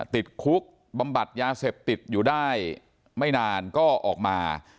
ติดคุกบำบัดยาเสพติดอยู่ได้ไม่นานก็ออกมา